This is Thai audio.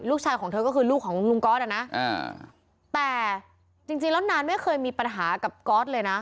ลูกชายของเธอก็คือลูกของลุงก๊อตอ่ะนะแต่จริงจริงแล้วนานไม่เคยมีปัญหากับก๊อตเลยนะ